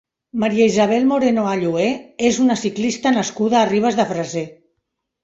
María Isabel Moreno Allué és una ciclista nascuda a Ribes de Freser.